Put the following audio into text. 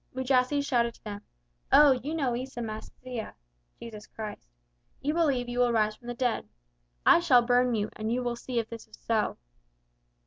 Mujasi shouted to them: "Oh, you know Isa Masiya (Jesus Christ). You believe you will rise from the dead. I shall burn you, and you will see if this is so."